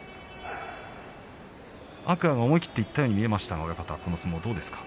天空海が思い切っていったように見えましたが親方、この相撲はどうですか？